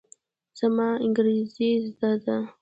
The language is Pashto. زما انګرېزي زده ده.